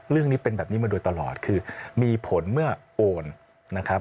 เรื่องนี้เป็นแบบนี้มาโดยตลอดคือมีผลเมื่อโอนนะครับ